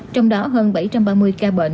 trong đó hơn bảy trăm ba mươi ca bệnh